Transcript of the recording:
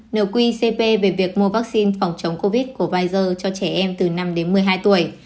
nờ quy cp về việc mua vaccine phòng chống covid của pfizer cho trẻ em từ năm đến một mươi hai tuổi